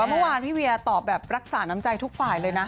เมื่อวานพี่เวียตอบแบบรักษาน้ำใจทุกฝ่ายเลยนะ